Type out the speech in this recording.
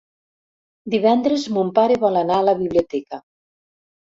Divendres mon pare vol anar a la biblioteca.